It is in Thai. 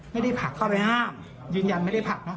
ไม่ได้ผลักเข้าไปห้ามยืนยันไม่ได้ผลักนะ